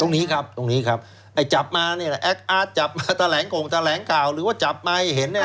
ตรงนี้ครับตรงนี้ครับไอ้จับมาเนี่ยแอคอาร์ตจับมาแถลงกงแถลงข่าวหรือว่าจับมาให้เห็นเนี่ย